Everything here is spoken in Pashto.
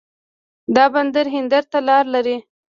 دا بندر هند ته لاره لري.